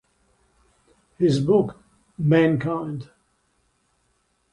His book Man Kind?